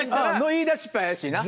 言いだしっぺ怪しいな。